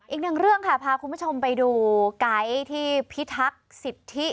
อีกหนึ่งเรื่องค่ะพาคุณผู้ชมไปดูไกด์ที่พิทักษ์สิทธิ